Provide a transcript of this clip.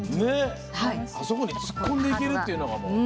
あそこに突っ込んでいけるというのが。